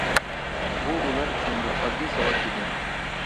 بۇ ئۇلار ئۈچۈن بىر ئاددىي ساۋات ئىدى.